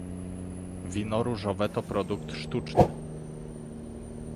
Wino różowe to produkt sztuczny